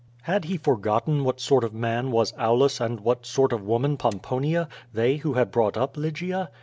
Had he for gotten what sort of man was Aulus and what sort of woman Pomponia, they, who had brought up Lygia?